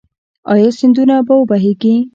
آیا سیندونه به و بهیږي؟